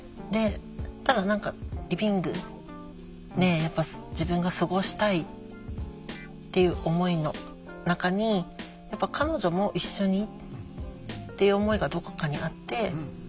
ただ何かリビングで自分が過ごしたいっていう思いの中にやっぱ彼女も一緒にっていう思いがどこかにあって。